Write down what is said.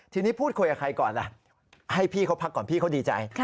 ทีนี้พูดคุยกับใครก่อนล่ะให้พี่เขาพักก่อนพี่เขาดีใจ